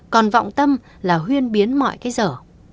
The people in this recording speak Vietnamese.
còn vọng tâm là huyên biến mọi cái dở